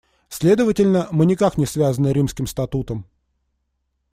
Следовательно, мы никак не связаны Римским статутом.